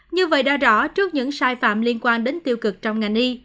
như vậy đã rõ trước những sai phạm liên quan đến tiêu cực trong ngành y